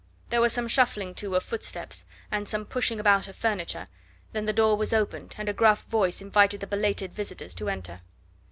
There was some shuffling, too, of footsteps, and some pushing about of furniture, then the door was opened, and a gruff voice invited the belated visitors to enter.